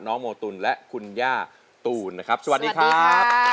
โมตุลและคุณย่าตูนนะครับสวัสดีครับ